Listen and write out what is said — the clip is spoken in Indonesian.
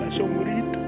masih umur hidup